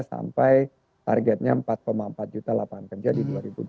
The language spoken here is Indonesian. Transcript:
sampai targetnya empat empat juta lapangan kerja di dua ribu dua puluh